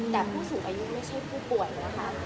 แต่ผู้สูงอายุไม่ใช่ผู้ป่วยนะคะ